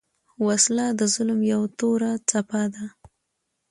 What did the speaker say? وسله د ظلم یو توره څپه ده